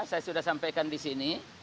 saya sudah sampaikan di sini